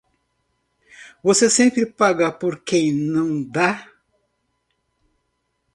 Você sempre paga por quem não dá.